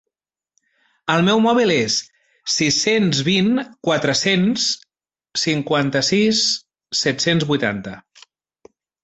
El meu mòvil és: sis-cents vint quatre-cents cinquanta-sis set-cents vuitanta.